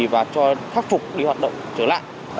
và cho khắc phục đi hoạt động trở lại